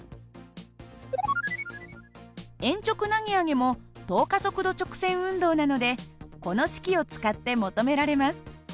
鉛直投げ上げも等加速度直線運動なのでこの式を使って求められます。